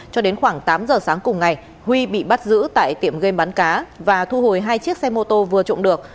cho đến khoảng tám giờ sáng cùng ngày huy bị bắt giữ tại tiệm game bắn cá và thu hồi hai chiếc xe mô tô vừa trộm được